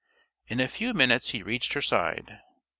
In a few minutes he reached her side.